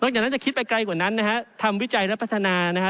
จากนั้นจะคิดไปไกลกว่านั้นนะฮะทำวิจัยและพัฒนานะฮะ